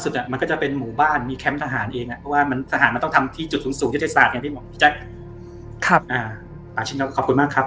แล้วข้างบนยอด